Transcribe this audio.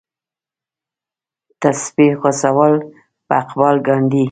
تسپې غوڅول په اقبال کاندي.